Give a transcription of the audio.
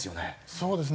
そうですね。